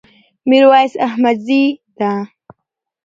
ميرويس احمدزي ده